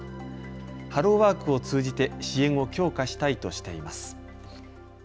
ハローワークを通じて支援を強化したいとしています。